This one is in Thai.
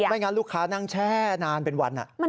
ไม่อย่างไรลูกค้านั่งแช่นานเป็นวันน่ะ